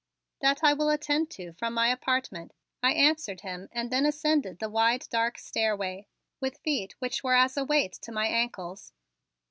"That I will attend to from my apartment," I answered him and then ascended the wide dark stairway with feet which were as a weight to my ankles.